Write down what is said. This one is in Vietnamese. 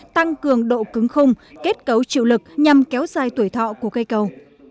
tăng cường độ cứng khung kết cấu chịu lực nhằm kéo dài tuổi thọ của cây cầu